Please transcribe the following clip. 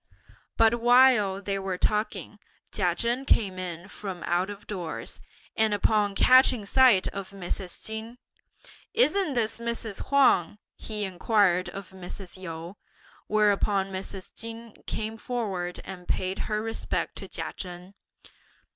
But while they were talking, Chia Chen came in from out of doors, and upon catching sight of Mrs. Chin; "Isn't this Mrs. Huang?" he inquired of Mrs. Yu; whereupon Mrs. Chin came forward and paid her respects to Chia Chen.